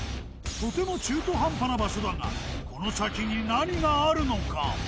とても中途半端な場所だがこの先に何があるのか。